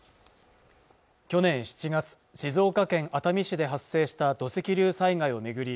去年７月静岡県熱海市で発生した土石流災害を巡り